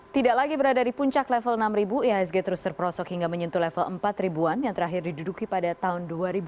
tidak lagi berada di puncak level enam ribu ihsg terus terperosok hingga menyentuh level empat ribuan yang terakhir diduduki pada tahun dua ribu dua puluh